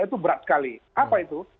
itu berat sekali apa itu